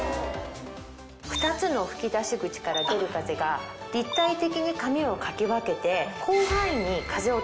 ２つの吹出口から出る風が立体的に髪をかき分けて。